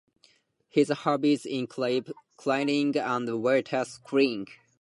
His hobbies include cycling and water skiing.